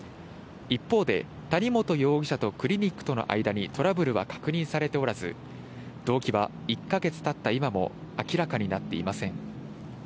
一方で、谷本容疑者とクリニックとの間にトラブルは確認されておらず、動機は１か月たった今も明らかになっていません。